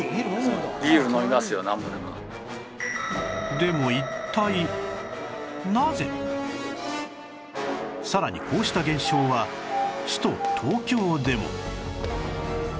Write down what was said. でも一体さらにこうした現象は首都東京でも